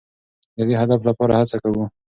د دې هدف لپاره هڅه کوو.